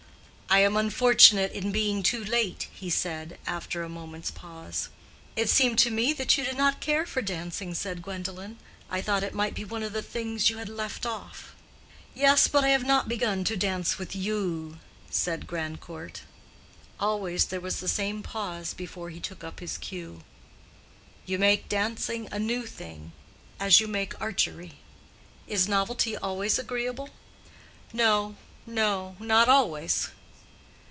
"I am unfortunate in being too late," he said, after a moment's pause. "It seemed to me that you did not care for dancing," said Gwendolen. "I thought it might be one of the things you had left off." "Yes, but I have not begun to dance with you," said Grandcourt. Always there was the same pause before he took up his cue. "You make dancing a new thing, as you make archery." "Is novelty always agreeable?" "No, no—not always."